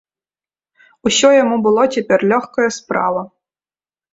Усё яму было цяпер лёгкая справа.